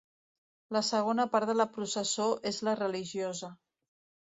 La segona part de la processó és la religiosa.